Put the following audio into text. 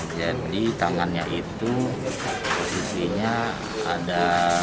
jadi tangannya itu sisinya ada